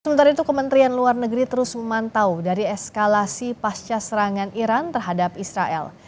sementara itu kementerian luar negeri terus memantau dari eskalasi pasca serangan iran terhadap israel